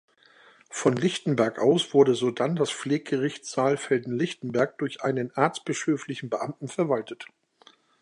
Von Lichtenberg aus wurde sodann das Pfleggericht Saalfelden-Lichtenberg durch einen erzbischöflichen Beamten verwaltet.